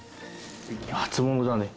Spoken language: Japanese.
初物だね。